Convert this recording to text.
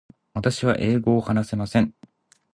私は英語を話せません。